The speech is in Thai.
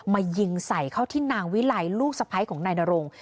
มายิงใส่เข้าที่นางวิไลลูกสะพ้ายของนายนรง